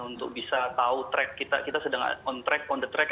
untuk bisa tahu track kita kita sedang on track on the track